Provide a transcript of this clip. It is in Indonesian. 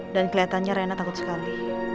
dan keliatannya rena takut sekali